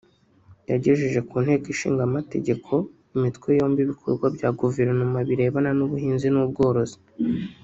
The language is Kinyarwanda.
yagejeje ku Nteko Ishinga Amategeko imitwe yombi ibikorwa bya Guverinoma birebana n’Ubuhinzi n’Ubworozi